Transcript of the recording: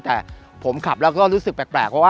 แต่ผมขับและก็รู้สึกแปลก